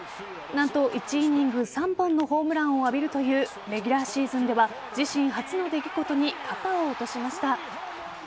何と１イニング３本のホームランを浴びるというレギュラーシーズンでは自身初の出来事に肩を落としました。